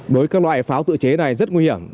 đối với các loại pháo tự chế này rất nguy hiểm